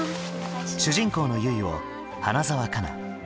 主人公の結衣を花澤香菜